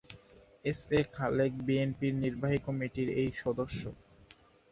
S A Khalek বিএনপির নির্বাহী কমিটির এই সদস্য।